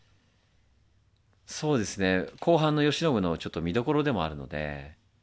そうですね後半の慶喜のちょっと見どころでもあるので。